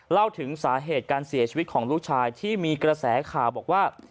เล่าถึงสาเหตุการเสียชีวิตของลูกชายที่มีกระแสข่าวบอกว่า